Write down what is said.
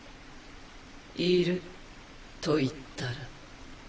いると言ったら？